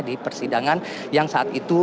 di persidangan yang saat itu